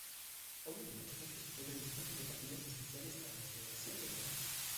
Hoy en día, muchos hoteles disponen de capillas especiales para la celebración de bodas.